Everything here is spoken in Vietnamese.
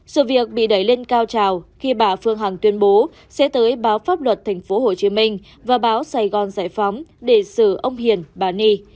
sự việc bị đẩy lên cao trào khi bà phương hằng tuyên bố sẽ tới báo pháp luật tp hcm và báo sài gòn giải phóng để xử ông hiền bà ni